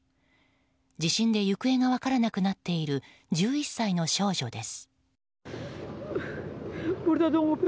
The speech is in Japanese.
地震で行方が分からなくなっている１１歳の少女です。